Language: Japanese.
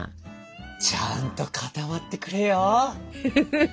ちゃんと固まってくれよ。